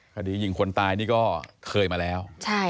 คดียิงคนตายนี่ก็เคยมาแล้ว